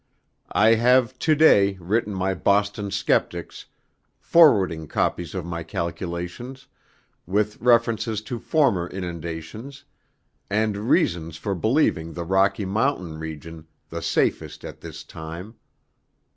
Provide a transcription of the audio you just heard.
I have to day written my Boston skeptics, forwarding copies of my calculations, with references to former inundations, and reasons for believing the Rocky Mountain region the safest at this time.